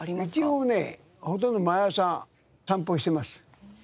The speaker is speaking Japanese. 一応ねほとんど毎朝散歩をしてます。